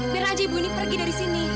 biar aja ibu ini pergi dari sini